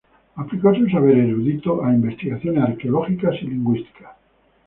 Aplicó su saber erudito a investigaciones arqueológicas y lingüísticas.